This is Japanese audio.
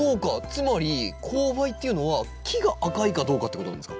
つまり紅梅っていうのは木が赤いかどうかってことなんですか？